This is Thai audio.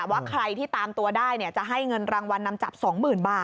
ว่าใครที่ตามตัวได้จะให้เงินรางวัลนำจับ๒๐๐๐บาท